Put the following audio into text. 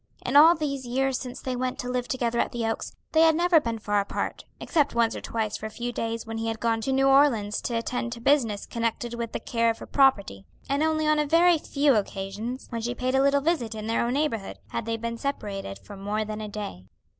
In all these years since they went to live together at the Oaks, they had never been far apart except once or twice for a few days when he had gone to New Orleans to attend to business connected with the care of her property; and only on a very few occasions, when she paid a little visit in their own neighborhood, had they been separated for more than a day.